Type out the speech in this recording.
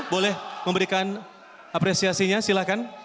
boleh memberikan apresiasinya silahkan